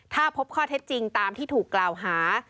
ถ้าพบข้อเท็จจริงตามที่ถูกกล่าวหา